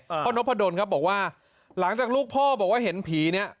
พ่อนพดลครับบอกว่าหลังจากลูกพ่อบอกว่าเห็นผีเนี่ย